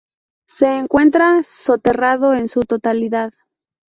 Se encuentra soterrado en su totalidad.